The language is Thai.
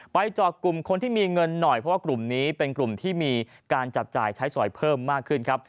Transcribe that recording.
เจาะกลุ่มคนที่มีเงินหน่อยเพราะว่ากลุ่มนี้เป็นกลุ่มที่มีการจับจ่ายใช้สอยเพิ่มมากขึ้นครับ